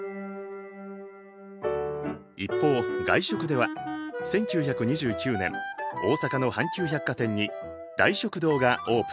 一方外食では１９２９年大阪の阪急百貨店に大食堂がオープン。